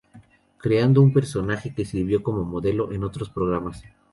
Creando un personaje que sirvió como modelo en otros programas.